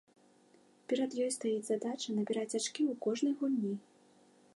Перад ёй стаіць задача набіраць ачкі ў кожнай гульні.